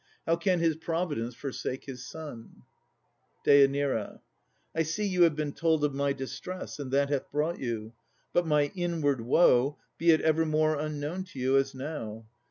How can his providence forsake his son? DÊ. I see you have been told of my distress, And that hath brought you. But my inward woe, Be it evermore unknown to you, as now!